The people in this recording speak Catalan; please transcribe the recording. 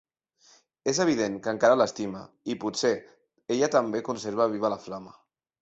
És evident que encara l'estima i potser ella també conserva viva la flama.